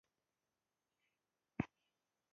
کلیمه په جمله کښي کارېږي.